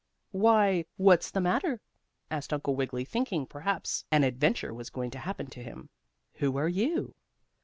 "Why, what's the matter?" asked Uncle Wiggily, thinking perhaps an adventure was going to happen to him. "Who are you?"